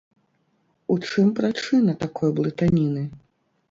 У чым прычына такой блытаніны?